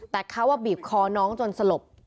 แต่เขาบีบคอน้องจนสลบ